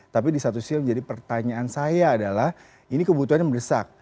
tapi di satu sisi menjadi pertanyaan saya adalah ini kebutuhannya mendesak